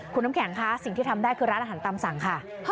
คุณน้ำแข็งคะสิ่งที่ทำได้คือร้านอาหารตามสั่งค่ะ